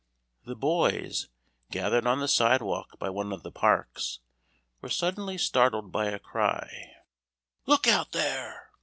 The boys, gathered on the sidewalk by one of the parks, were suddenly startled by a cry "Look out there!"